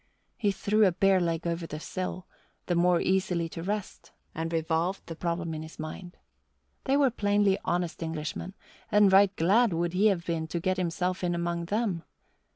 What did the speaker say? He threw a bare leg over the sill, the more easily to rest, and revolved the problem in his mind. They were plainly honest Englishmen, and right glad would he have been to get himself in among them.